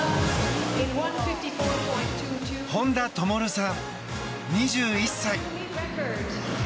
本多灯さん、２１歳。